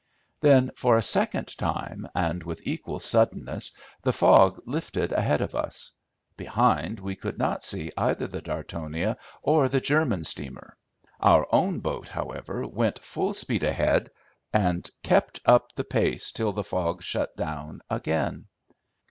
Then, for a second time, and with equal suddenness, the fog lifted ahead of us. Behind we could not see either the Dartonia or the German steamer. Our own boat, however, went full speed ahead and kept up the pace till the fog shut down again.